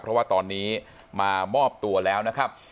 เพราะว่าตอนนี้มามอบตัวแล้วนะครับ